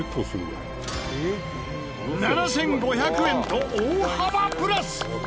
７５００円と大幅プラス！